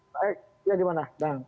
baik ya gimana bang